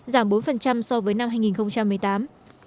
giảm bốn so với năm hai nghìn một mươi tám